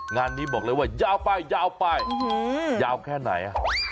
งานนี้บอกเลยว่ายาวไปยาวไปยาวแค่ไหน